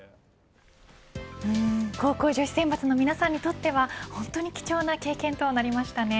高校女子選抜の皆さんにとっては本当に貴重な経験となりましたね。